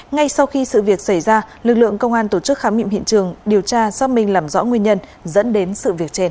ngay sau khi sự việc xảy ra lực lượng công an tổ chức khám nghiệm hiện trường điều tra xác minh làm rõ nguyên nhân dẫn đến sự việc trên